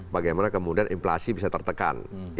bagaimana kemudian inflasi bisa tertekan